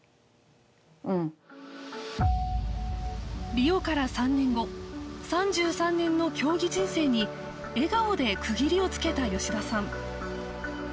リオから３年後３３年の競技人生に笑顔で区切りをつけた吉田さん